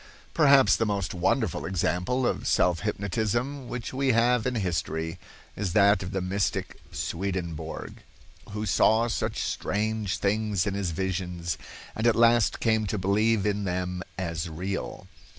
Perhaps the most wonderful example of self hypnotism which we have in history is that of the mystic Swedenborg, who saw, such strange things in his visions, and at last came to believe in them as real.